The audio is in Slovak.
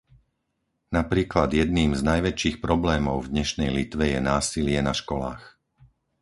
Napríklad jedným z najväčších problémov v dnešnej Litve je násilie na školách.